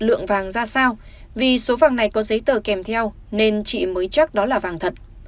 lượng vàng ra sao vì số vàng này có giấy tờ kèm theo nên chị mới chắc đó là vàng thật